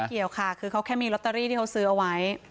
เกี่ยวค่ะคือเขาแค่มีลอตเตอรี่ที่เขาซื้อเอาไว้